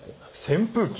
扇風機。